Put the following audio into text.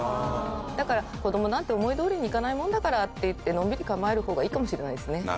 だから子供なんて思いどおりにいかないもんだからっていってのんびり構える方がいいかもしれないですね。